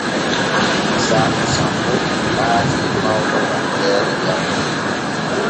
Isaaku sammo laati mawɗo waldeere jamu.